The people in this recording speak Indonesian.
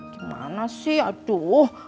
gimana sih aduh